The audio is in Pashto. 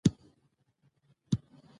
موزیک د ستوریو غږ دی.